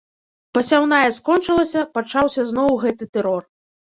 Пасяўная скончылася, пачаўся зноў гэты тэрор.